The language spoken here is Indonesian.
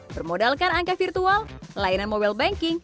bermodalkan angka virtual layanan mobile banking